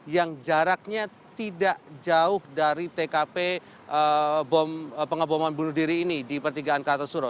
yang jaraknya tidak jauh dari tkp pengeboman bunuh diri ini di pertigaan kartosuro